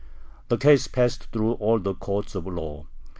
The case passed through all the courts of law.